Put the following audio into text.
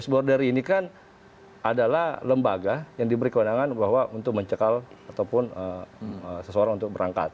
border ini kan adalah lembaga yang diberi kewenangan bahwa untuk mencekal ataupun seseorang untuk berangkat